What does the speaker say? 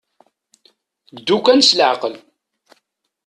Ddu kan s leɛqel.